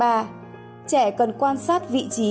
trẻ cần quan sát vị trí